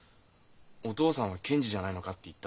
「お父さんは検事じゃないのか？」って言ったんだ。